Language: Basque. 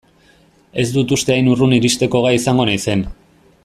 Ez dut uste hain urrun iristeko gai izango naizen.